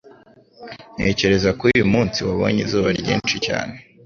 Ntekereza ko uyu munsi wabonye izuba ryinshi cyane.